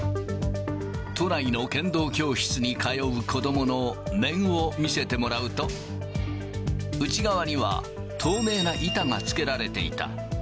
都内の剣道教室に通う子どもの面を見せてもらうと、内側には、透明な板がつけられていた。